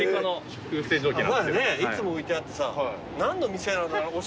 いつも置いてあってさ「何の店なんだろう？